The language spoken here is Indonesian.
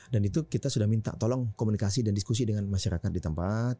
dan itu kita sudah minta tolong komunikasi dan diskusi dengan masyarakat di tempat